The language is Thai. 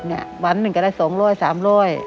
หวานหนึ่งก็ได้สองร่อยสามร่อย